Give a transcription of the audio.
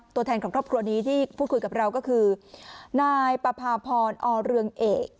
ตัวแทนของครอบครัวนี้ที่พูดคุยกับเราก็คือนายปภาพรอเรืองเอก